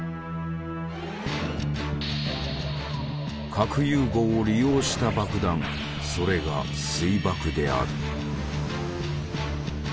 核融合を利用した爆弾それが「水爆」である。